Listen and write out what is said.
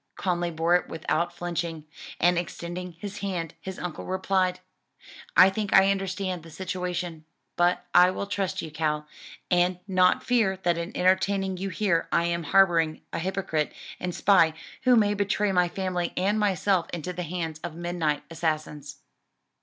Conly bore it without flinching; and extending his hand, his uncle replied, "I think I understand the situation: but I will trust you, Cal, and not fear that in entertaining you here I am harboring a hypocrite and spy who may betray my family and myself into the hands of midnight assassins."